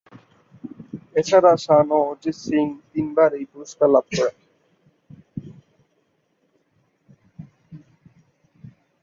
এছাড়া শান ও অরিজিৎ সিং তিনবার এই পুরস্কার লাভ করেন।